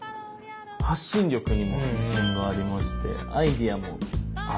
発信力にも自信がありましてアイデアもある方かな？